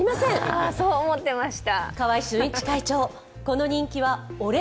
あ、そう思ってました。